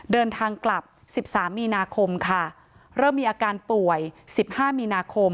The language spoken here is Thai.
เดินทางกลับ๑๓มีเริ่มมีอาการป่วย๑๕มี